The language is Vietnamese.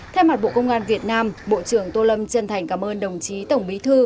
thay mặt bộ công an việt nam bộ trưởng tô lâm chân thành cảm ơn đồng chí tổng bí thư